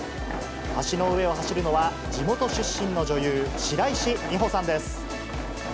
橋の上を走るのは、地元出身の女優、白石美帆さんです。